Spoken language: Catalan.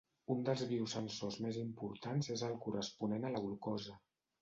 Un dels biosensors més importants és el corresponent a la glucosa.